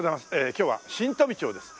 今日は新富町です。